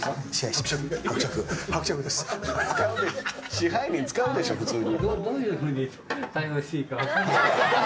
支配人使うでしょ、普通に。